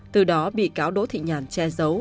từ đó bị cáo đỗ thị nhàn che giấu